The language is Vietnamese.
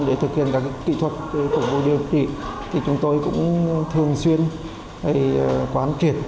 để thực hiện các kỹ thuật phục vụ điều trị thì chúng tôi cũng thường xuyên quán triệt